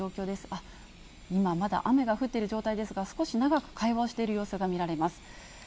あっ、今、まだ雨が降っている状態ですが、少し長く会話をしている様子が見られます。